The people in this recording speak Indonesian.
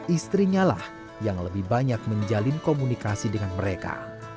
istrinyalah yang lebih banyak menjalin komunikasi dengan mereka